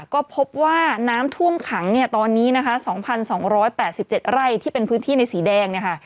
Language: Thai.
ก็พบว่าน้ำท่วมขังตอนนี้๒๒๘๗ไร่ที่เป็นพื้นที่ในสีแดง